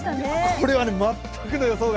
これは全くの予想外！